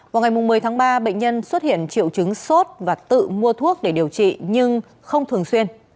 vào ngày một mươi tháng ba bệnh nhân xuất hiện triệu chứng sốt và tự mua thuốc để điều trị nhưng không thường xuyên